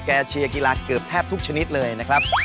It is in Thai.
เชียร์กีฬาเกือบแทบทุกชนิดเลยนะครับ